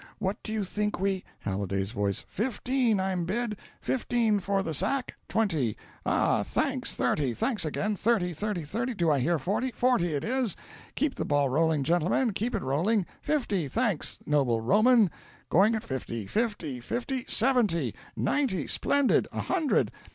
what do you think we " (Halliday's voice. "Fifteen I'm bid! fifteen for the sack! twenty! ah, thanks! thirty thanks again! Thirty, thirty, thirty! do I hear forty? forty it is! Keep the ball rolling, gentlemen, keep it rolling! fifty! thanks, noble Roman! going at fifty, fifty, fifty! seventy! ninety! splendid! a hundred!